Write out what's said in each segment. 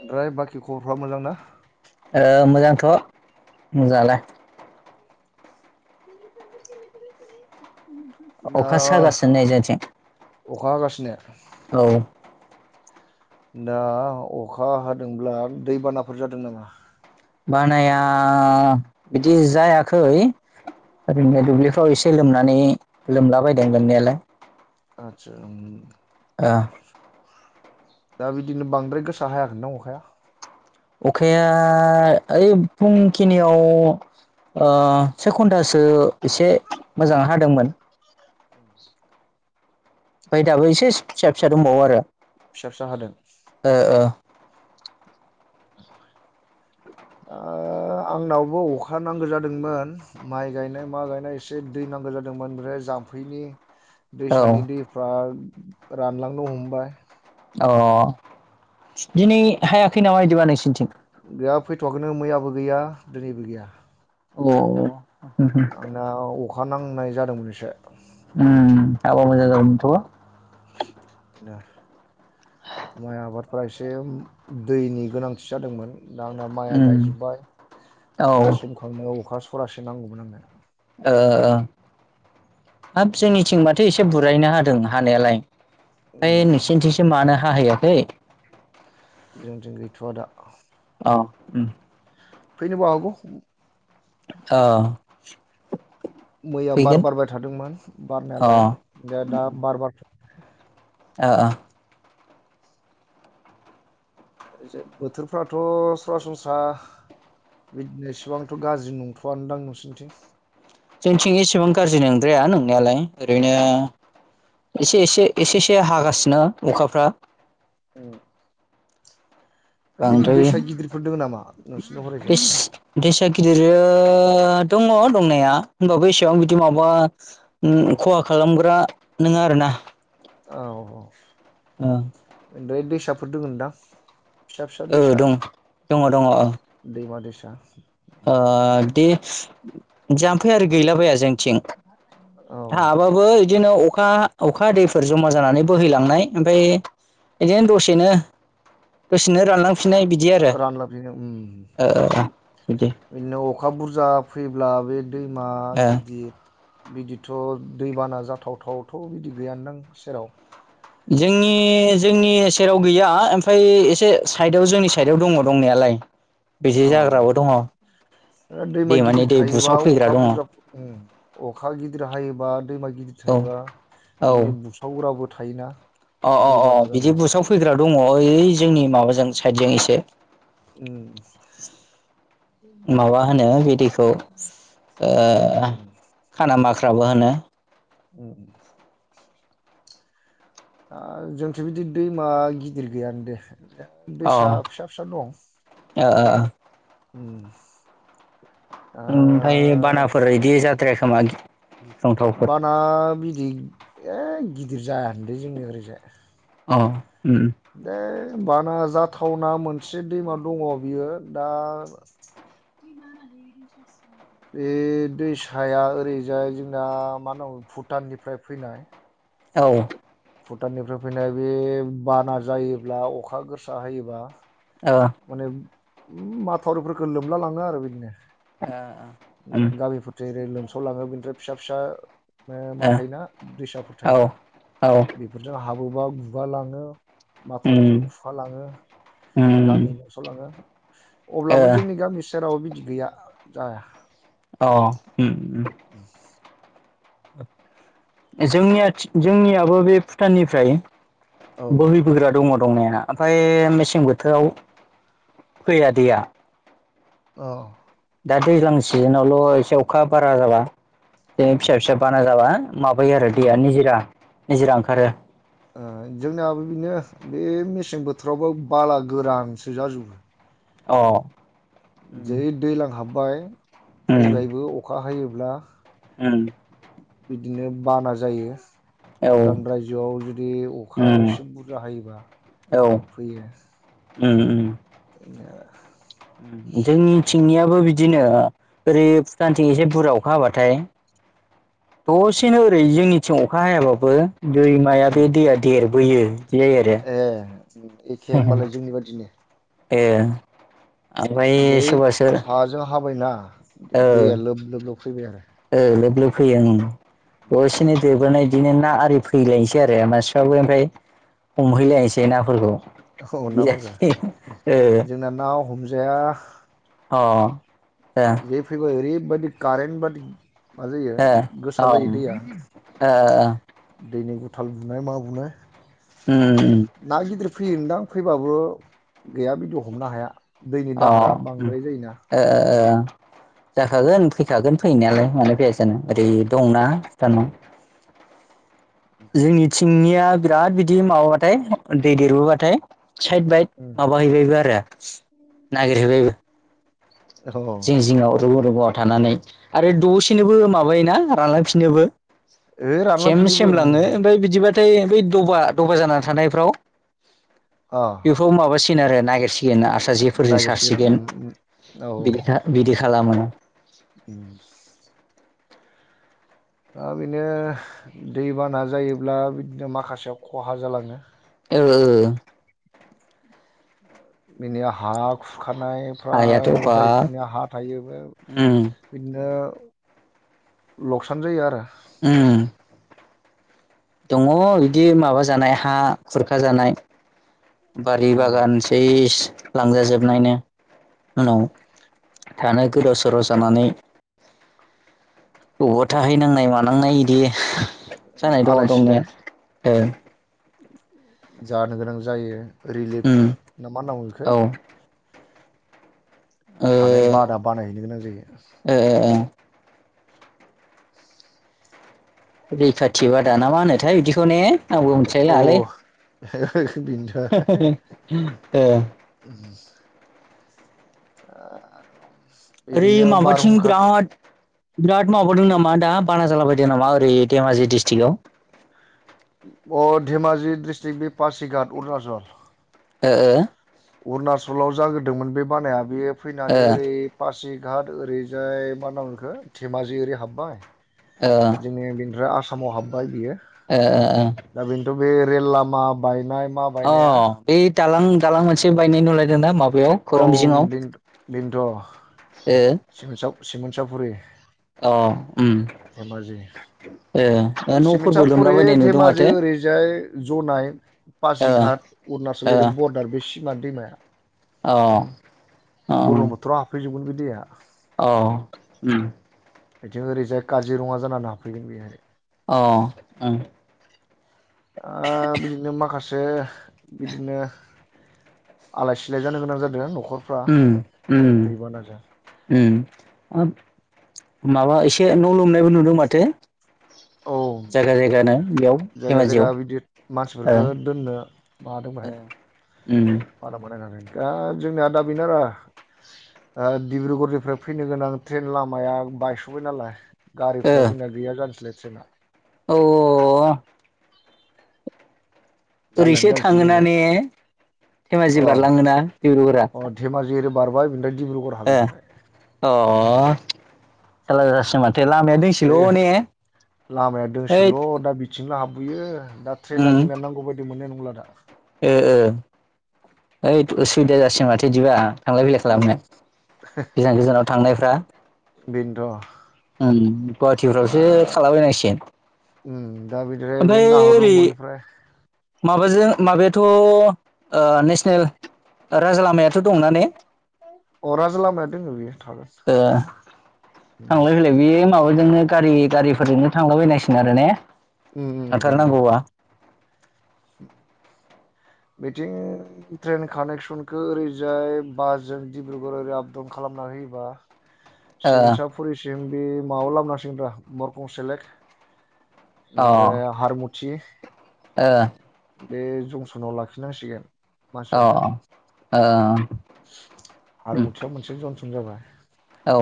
ओमफ्राय बाखि खबरफ्रा मोजांना? ओ मोजांथ' मोजाङालाय। दा अखासो हागासिनो नै जोंनिथिं। अखा हागासिनो औ। दा अखा हादोंब्ला दैबानाफोर जादों नामा? बानाया बिदि जायाखै। ओरैनो दुब्लिफ्राव एसे लोमनानै लोमलाबायदों लोमनायालाय। आदसा। ओ। दा बिदिनो बांद्राय गोसा हायाखोनदां अखाया? अखाया ओइ फुंखिनियाव ओ से घन्टासो एसे मोजां हादोंमोन। [unintelligible] बाय दाबो एसेस फिसा फिसा दंबावो आरो। फिसा फिसा हादों? ओ [inaudible] ओ आंनावबो अखा नांगो जादोंमोन। माइ गायनाय मा गायनाय एसे दै नांगो जा होदोंमोन ओफ्राय जाम्फैनि ओ दैसानि दैफ्रा रानलांनो हमबाय। अ दिनै हायाखै नामा बिदिबा नोंसिनिथिं? गैया फैथ'वाखैनो मैयाबो गैया दिनैबो गैया। अ आंना अखा नांनाय जादोंमोन एसे उम हाबा मोजां जागौमोन थ' माइ आबादफ्रा एसे दैनि गोनांथि जादोंमोन। दा आंना माइया उम गायजोब्बाय औ ओ दा सोमखांनायाव अखा सरासे नांगौमोन आंनो। ओ ओ हाब जोंनिथिंमाथो एसे बुरायैनो हादों हानायालाय। ओइ उम, नोंसिनिथिंसो मानो हाहैयाखै। जोंनि थिं गैथ'आ दा अ उम फैनोबागौ। ओ मैया बार बारबाय थादोंमोन अ बारनायालाय ओ दा दा बार बारथ ओ ओ ओरैजाय बोथोरफ्राथ सरासनस्रा बिदनो इसेबांथ गाज्रि नंथआदां नोंसिनिथिं? जोंथिं इसेबां गाज्रि नोंद्राया नोंनायालाय ओरैनो एसे एसे एसे एसे हागासिनो अखाफोरा म्म बांद्राय गिदिरफोर दङ नामा नोंसोरनि दैस हरैजाय दैसा गिदिरा आ दङ दंनाया होमबाबो एसेब बिदि माबा उम खहा खालामग्रा नङा आरो ना। औ ओनफ्राय दैसाफोर दङोन दां? फिसा फिसा औ दैसा दं दङ दङ ओं दैमा दैसा ओ दे जामफै आरोद गैला बाया जोंनिथिं औ थाबाबो इदिनो अखा अखा हादैफोर जमा जानानै बोहैलांनाय ओमफाय इदिनो दसेनो दसेनो रानलां फिनाय बिदि आरो रानलाबदिनो ओ ओ। बिदिनो अखा बुरजा फैब्ला बे दैमा ओ गिदिर बिदि थ' दैबाना जाथावथावथ' बिदि गैयानदां नां सेराव? जोंनि जोंनि सेराव गैया ओमफ्राय एसे साइदआव जोंनि साइडआव दङ दंनायाल लाय बिदि जाग्राबो दङ। ओ दैमा दैमानि गिदिर दै थायोबा बुसाव फैग्रा अखा दङ बुरजा अखा गिदिर हायोब बा दैमा गिदिर औ थायोबा औ बिदिनो बुसावग्राबो थायोना? अ अ अ दैबाना बिदि जानाय बुसाव फैग्रा दङ ओइज उम। मावा होनो बिदिखौ ओ उम खाना माख फ्राबो होनो। उम। ओ जोंथिं' बिदि दैमा गिदिर गैयान दे। अ ओ दैसा फिसा फिसा दं। ओ ओ उम। दा ओमफाय बानाफोर इदि जाद्रायाखोमाद बाना बिदि ए गिदिर जाया होनलै जोंनि ओरैजाय। अ। उम दै बाना जाथावना मोनसे दैमा दङ बियो दा [unintelligible] बे दैसाया ओरैजाय जोंना मा होनाव भुटाननिफ्राय फैनाय-् औ। भुटाननिफ्राय फैनाय बे बाना जायोब्ला अखा गोसा होयोबा। माने माथावरिफोरखो लोमला लांङो आरो बिदिनो। ओ ओ उम। जे लोमसावलाङो बिनिफ्राय फिसा फिसा नो मा थायोना दैसाफोर ओ थायोन औ औ बेफोरजों हाबोबा गुगा लाङो। माथरिफोर उम खुखालाङो, उम गामि लोमसावलाङो, ओ अब्लाबो जोंनि गामि सेराव बिदि गैया जाया औ [inaudible] जोंनिया जोंनियाबो बे भुटाननिफ्राय औ बोहैबोग्रा दङ। दंनाया ओमफ्राय मेसें बोथोराव फैया दैया। औ दा दैज्लां सिजोनावल' एसे अखा बारा जाबा, दै फिसा फिसा बाना जाबा माबायो आरो दैया उम निजरा निजिरा ओंखारो ओ जोंनियाबो बिनो बे मेसें बोथोरावबो बाला गोरानसो जाजोबो। अ उम जै दैज्लां हाबबाय उम फैबायबो अखा हायोब्ला उम बिदिनो बाना जायो। औ भुटान रायजोआव जुदि अखा उम एसे बुरजा हायोबा फैयो उम उम [inaudible] जोंनिथिंनिया बो बिदिनो ओरै भुटानथि एसे बुरजा अखा हाबाथाय दसेनो ओरै जोंनिथिं अखा हायाबाबो दैमाया उम बे दैया देरबोयो बिदि जायो आरो ए एखे होमबालाय जोंनि बादिनो। ए ओमफ्राय सोरबासो बायना दैया लोब लोबल' फैबाय आरो ओ लोब लोब फैयो ओ दसेनि देरबोनाय बिदिनो ना आरि फैलायसै आरो मानसिफ्राबो ओमफ्राय हमहैलायसै नाफोरखौ औ बिदि नाफोरखो, जासै जोंना ना हमजाया अ जै फैबाय ओरैबादि कारेनबादि मा जायो ओ गोसा जायो दैया। ओ दैनि गु गुथाल बुनाय मा बुनाय ओम ना गिदिर फैयोनदां फैबाबो गैया बिदि हमनो हाया। दैनि अ दाहारा ओम बांद्राय जायोना ओ ओ ओ जाखागोन फैखागोन फैनायालाय मानो फैया जानो औ ओरै दंना भुटनाव जोंनिथिंनिया बिराद बिदि माबाथाय दै देरबोबाथाय साइड बाइड माबाहैबायबो आरो नागिरहैबायबो जिं जिङाव रुगुं रुगुंआव थानानै आरो दसेनोबो माबायोना रानलांफिनोबो ओइ सेम रानलांफिनोबो सेमलाङो ओम ओमफ्राय बिदिबा नाथाय बै दबा दबा जानानै थानायफ्राव अ बेफोराव माबासिन आरो नागिरसि गोन आरसा जेफोरजों नागिरसिगोन सारसिगोन ओम औ बिदि बिदि खालामो। [inaudible] ओ बिनो दै बाना जायोब्ला बिदिनो माखासेयाव खहा जालाङो। ओ ओ बेनि हा खुर खानायफ्रा हायाथ' बा जायफोरनि हा थायो बे उम बिदिनो लकसान जायो आरो। उम दङ बिदि माबा जानाय हा खुरखाजानाय बारि बागान आलाय सेस लांजाजोबनायनो। उनाव थानो गोदाव सोराव जानानै बबावबा थाहैनांनाय मानांनाय बिदि जानाय दङ दंनाया सिलाय जानो गोनां जायो रिलिफ उम ना मा होननांगौ बेखौ औ ओ हानाय बादा बानायहैनो गोनां जायो। ओ ओ रैखाथि बादा ना मा होनोथाय बिदिखौ ने आंबो मिथिलाय औ लाङालै। [inaudible] [inaudible] [inaudible] ओरै बिदिनो माबाथिं बारहुंखाथ' बिराद बिराद माबादों नामा दा बानाजाला बायदों नामा ओरै धेमाजि डिस्ट्रिक्आव अ धेमाजि डिस्ट्रिक् बे पासिघाट अरुणचल। ओ ओ अरुणाचलाव जागोरदोंमोन बे बानाया बेयो ओ फैनानै ओरै पासि गाद ओरैजाय मा होननांगौ बेखौ धेमाजि ओरै हाबबाय ओ जोङो बेनिफ्राय आसामाव हाबबाय बियो। ओ ओ ओं दा बेनोथ' बे रेल लामा बायनाय मा अ बायनाया बे दालां दालां मोनसे बायनाय नुलायदों ना माबा औ बिन्थ' ओ सिमोनसाफुरि अ ओ ए सिमन्साफुरि धेमाजि ओरैजाय जनाय ओ पासिघाट ओ अरुणाचल अ बरदार बे सिमा दैमाया अ बुरलुंबुथुराव हाबफैजोबगोन बिदि [inaudible] औ बेथिं ओरैजाय काजिरङा जानानै हाफैगोन बेयो अ उम ओ बिदिनो माखासे ओ बिदिनो आलाय सिलाय जानो गोनां जादों न'खर उम उम उम हाब माबा एसे न' लोमनायबो नुदों माथो औ जायगा जायगानो बेयाव जायगा जायगा धेमाजियाव बिदि ओ मानसिफोरफोरखौ दोननो माबादों ओ बेहाय उम बा बानाय जादों दा जोंनिया दा बेनो आरो ओ डिब्रुगरनिफ्राय फैनो गोनां ट्रेन लामाया बायस'बाय नालाय ओ गारिफ्रा जोंना गैया जानोसैलाय ट्रेना औ जारलायानो ओरैसो जानोसै थाङोना जोंना ने धेमाजि अ बारलाङोना दिब्रुगरा अ धेमाजि ओरै बारबाय बेनिफ्राय डिब्रुगर हाबहैखाबाइ [inaudible] बे दोंसेल' ने लामाया ओइद दोंसोल' दा बिथिंल हाब बेयो दा ट्रेना उम जोंना नांगौ बायदि मोननाय नंला दा ओ ओ ओइ उसुबिदा जासिगोन माथो बिदिबा थांलाय फैलाय उम खालामनो गोजान गोजानाव थांनायफ्रा बिनोथ' उ गुवाहाटिफ्रावसो थालाबायनांसिगोन। उ दा बिदिनो बे ओमफ्राय ओरै नाहरलुंगुरनिफ्राय माबाजों माबायाथ' नेसनेल राजा लामायाथ' दंना ने? अ राजा लामाया दङो बियो ओ थांलाय फैलाय बेयो माबाजोंनो गारि गारिफोरजोंनो थांलाबायनायसिगोन आरो ने उम उम बेन्थ थांथारनांगौबा बिथिं ट्रेन कानेक्सनखौ ओरैजाय बासजों डब्रुगऱ ओरै आपडाउन खालाम योब्ला ओ सिकिंसाफुरिसिम बे माबा लाबोनांसिगोनरा मरखं सेलेक ओनफ्राय हारमुथि अ बे जंसन आव लांफिनांसिगोन अ ओ आरो उम मुथियाव मोनसे जनसम जाबाय औ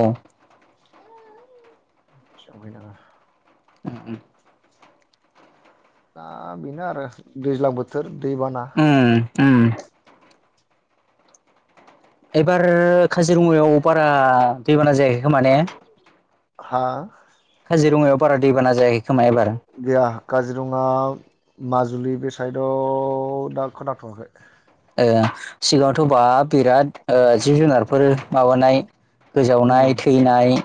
[inaudible] ओम दा बेनो आरो दैज्लां बोथोर दैबाना ओम ओम एबार काजिरंङायाव बारा दैबाना जायाखै खोमा ने हा? खाजिरंङा आव बारा दै बाना जायाखै खोमा एबार गैया काजिरंङा माजुलि बे साइदआव दा खोनाथ वाखै। ओ सिगाङावथ बा बिराद जिब जुनारफोर माबानाय उम गोजावनाय थैनाय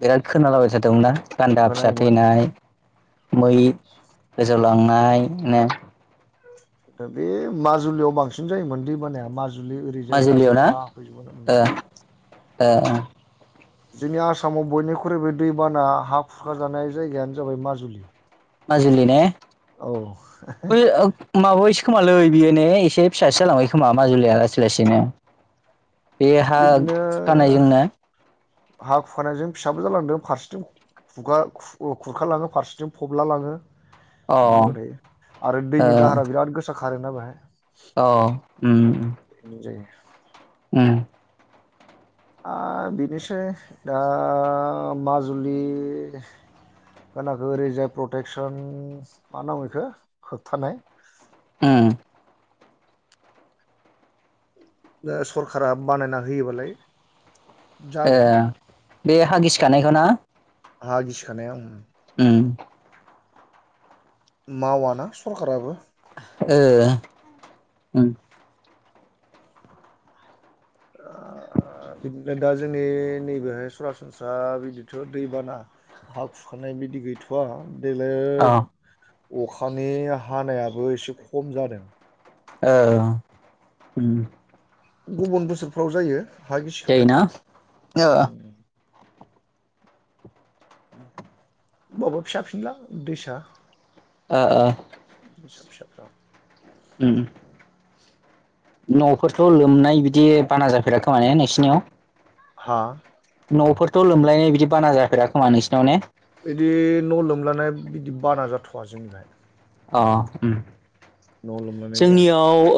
बिराद खोनालाबाय थादोंमोनना? गान्दा फिसा खोनायोमोन थैनाय मै उम गोजौलांनाय नो दा बे माजुलियाव बांसिन जायोमोन दैमाना माजुलि ओरैजाय माजुलियाव ना काजिरंङा हाजोंबो उम। ओ ओ जोंनि आसामाव बयनिख्रुइबो दैबाना हा खुरखा जानाय जायगायानो जाबाय माजुलि। माजोलि ने औ बै ओ माबायसो खोमालै? बियोनो एसे फिसासो जालांबाय खोमा माजुलिया लासै लासैनो। बे हा बिदिनो खुरखानायजोंनो हा खुरखानायजों फिसाबो जालांदों फारसेथिं खगा खुरखालांङो फारसेथिं फबला लांङो। अ बिदिआराो आरो दैनि दाहारा बिराद गोसा खारोना बेाहाय। ओ उम। जायो उम। ओ बिनोसै दा माजुलि खोनाखो ओरैजाय प्रटेकसन मा नांगौ बेखौ होबथानाय। हम। सरखारा बानायना होयोबालाय जागोन। ओ बे हा गिसि खानायखौ ना? हा गिसिखानाय ओम। उम। मावाना सरखाराराबो ओ उम बिदना जोंनि नैबेहाय सरासनस्रा बिदिथ दैबाना हा खुरखानाय बिदि गैथवा देग्लाय अ अखानि हानायाबो एसे खम जादों औ उम गुबुन बोसोरफ्राव जायो हा जायोना गिसिखानायफ्रा ओ होनबाबाो फिसा फिनला दैसा ओ ओ। [inaudible] ओम न'फोरथ' लोमनाय बिदि बाना जाफेराखैमाने नोंसिनियाव हा न'फोरथ' लोमलायनाय बिदि बाना जाफेरा खोमा नोंसोरनियाव ने बिदि न' लोमलानाय बिदि बाना जाथ'वा जोंनिहाय अ न' लोमलानाय जाया जोंनियाव ओ